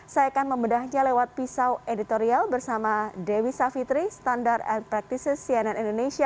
saya akan membedahnya lewat pisau editorial bersama dewi savitri standard and practices cnn indonesia